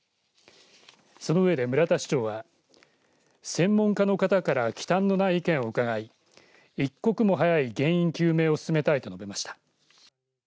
そのうえで村田市長は専門家の方からきたんのない意見を伺い一刻も早い原因究明を進めたいと述べました。